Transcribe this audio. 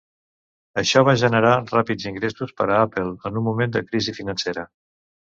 Això va generar ràpids ingressos per a Apple en un moment de crisi financera.